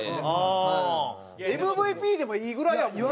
ＭＶＰでもいいぐらいやもんね。